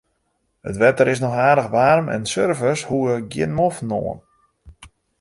It wetter is noch aardich waarm en surfers hoege gjin moffen oan.